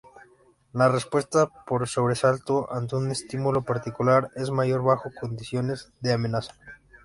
La respuesta por sobresalto ante un estímulo particular es mayor bajo condiciones de amenaza.